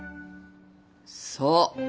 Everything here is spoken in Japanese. そう。